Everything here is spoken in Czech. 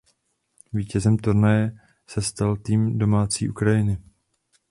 Vítězem turnaje se stal tým domácí Ukrajiny.